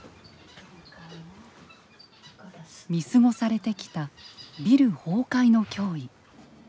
見過ごされてきたビル崩壊の脅威。